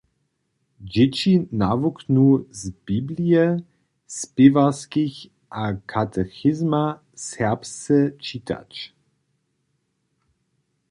Dźěći nawuknu z biblije, spěwarskich a katechizma serbsce čitać.